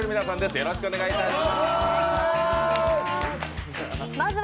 よろしくお願いします。